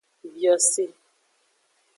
Biose.